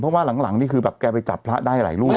เพราะว่าหลังนี่คือแบบแกไปจับพระได้หลายรูป